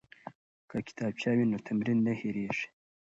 که کتابچه وي نو تمرین نه هیریږي.